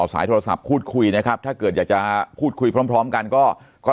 สายโทรศัพท์พูดคุยนะครับถ้าเกิดอยากจะพูดคุยพร้อมกันก็